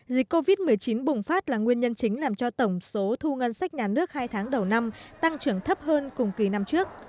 dịch covid một mươi chín bùng phát là nguyên nhân chính làm cho tổng số thu ngân sách nhà nước hai tháng đầu năm tăng trưởng thấp hơn cùng kỳ năm trước